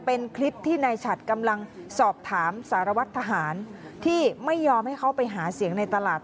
เป็นคลิปที่นายฉัดกำลังสอบถามสารวัตรทหารที่ไม่ยอมให้เขาไปหาเสียงในตลาด